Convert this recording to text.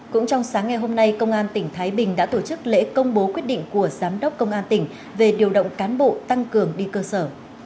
cũng trong sáng ngày hôm nay công an tỉnh thái bình đã tổ chức lễ công bố quyết định của giám đốc công an tỉnh về điều động cán bộ tăng cường đi cơ sở